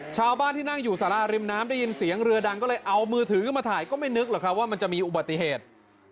ชาวบ้านที่นั่งอยู่สาราริมน้ำได้ยินเสียงเรือดังก็เลยเอามือถือขึ้นมาถ่ายก็ไม่นึกหรอกครับว่ามันจะมีอุบัติเหตุ